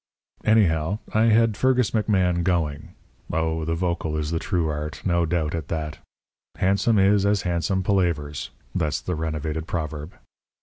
"Anyhow, I had Fergus McMahan going. Oh, the vocal is the true art no doubt about that. Handsome is as handsome palavers. That's the renovated proverb.